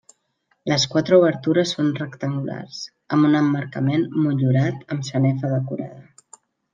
Les quatre obertures són rectangulars, amb un emmarcament motllurat amb sanefa decorada.